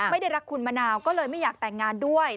ไม่ได้รักคุณมะนาวก็เลยไม่อยากแต่งงานด้วย